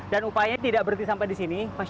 dan upaya tidak berhenti sampai di sini